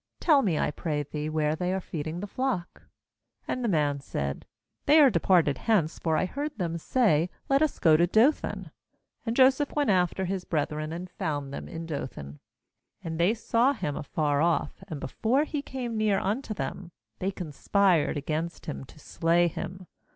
Tell me, I pray thee, where they are feed ing the flock.' 17And the man said: 'They are departed hence; for I heard them say: Let us go to Dothan. ; And Joseph went after his brethren, and found them in Dothan. 18And they saw him afar off, and before he came near unto them, they conspired against him to slay him.